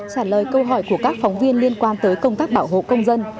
trả lời câu hỏi của các phóng viên liên quan tới công tác bảo hộ công dân